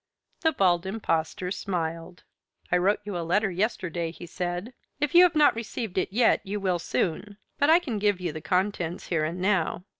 The Bald Impostor smiled. "I wrote you a letter yesterday," he said. "If you have not received it yet you will soon, but I can give you the contents here and now.